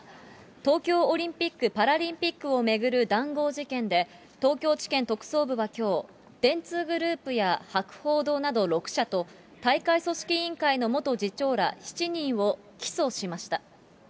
東京オリンピック・パラリンピックを巡る談合事件で、東京地検特捜部はきょう、電通グループや博報堂など６社と、大会組織委員会の元次長ら７人を起訴しました。